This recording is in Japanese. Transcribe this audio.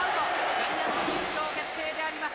ジャイアンツ、優勝決定であります。